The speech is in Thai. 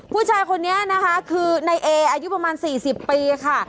ผู้ชายคนนี้นะคะคือนายเออายุประมาณ๔๐ปีค่ะ